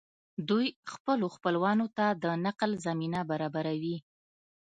دوی خپلو خپلوانو ته د نقل زمینه برابروي